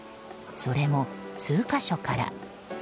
それも数か所から。